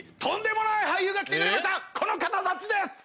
この方たちです！